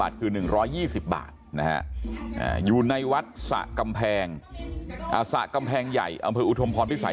อาสากำแพงใหญ่อำเภออุธมพรพิษัย